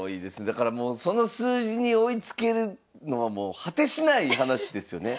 だからもうその数字に追いつけるのはもう果てしない話ですよね。